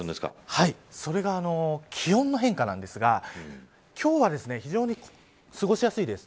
それが気温の変化なんですが今日は非常に過ごしやすいです。